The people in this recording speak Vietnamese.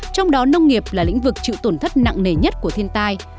trong đó nông nghiệp là lĩnh vực chịu tổn thất nặng nề nhất của thiên tai